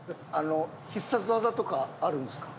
必殺技とかあるんですか？